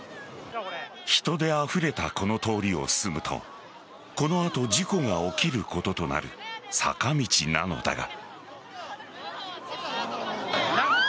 人であふれたこの通りを進むとこの後、事故が起きることとなる坂道なのだが。